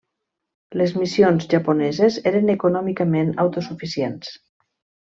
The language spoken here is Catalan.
Les missions japoneses eren econòmicament autosuficients.